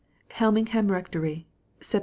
HELMINGHAM RrcTOBY, Sept.